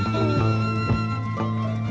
jika prasatweb siap dan beruntung